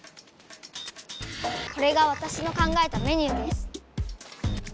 これがわたしの考えたメニューです。